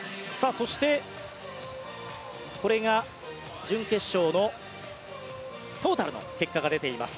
そして、これが準決勝のトータルの結果が出ています。